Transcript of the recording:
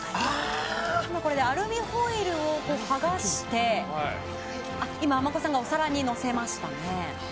アルミホイルを剥がしてあまこさんがお皿にのせました。